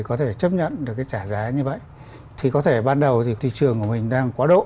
có thể chấp nhận được cái trả giá như vậy thì có thể ban đầu thì thị trường của mình đang quá đỗ